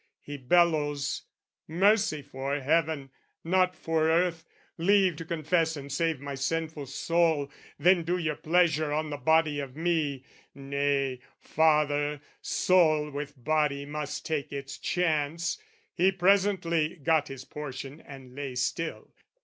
He bellows "Mercy for heaven, not for earth! "Leave to confess and save my sinful soul, "Then do your pleasure on the body of me!" "Nay, father, soul with body must take its chance!" He presently got his portion and lay still.